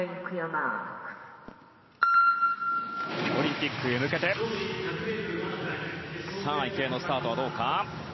オリンピックへ向けて池江のスタートはどうか。